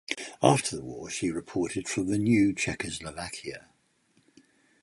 After the war she reported from the new Czechoslovakia.